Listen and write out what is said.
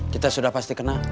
kita sudah pasti kena